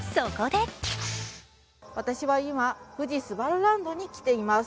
私は今、富士すばるランドに来ています。